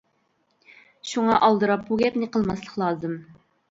شۇڭا ئالدىراپ بۇ گەپنى قىلماسلىق لازىم.